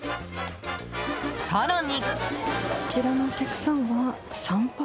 更に。